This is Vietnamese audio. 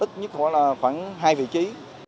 ít nhất có là khoảng hai vị trí